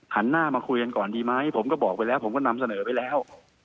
หันหน้ามาคุยกันก่อนดีไหมผมก็บอกไปแล้วผมก็นำเสนอไปแล้ว